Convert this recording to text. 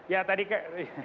ya tadi kan